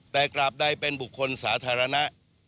แต่กราบใดเป็นบุคคลสาธารณะ